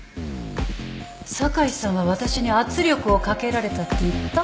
酒井さんは私に圧力をかけられたって言った？